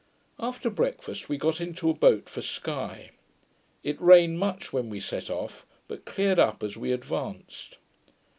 After breakfast, we got into a boat for Sky. It rained much when we set off, but cleared up as we advanced.